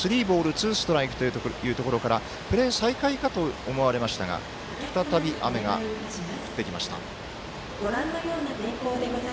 ワンアウト、ランナー、一塁二塁ボールカウント、スリーボールツーストライクというところからプレー再開かと思われましたが再び雨が降ってきました。